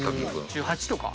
１８とか？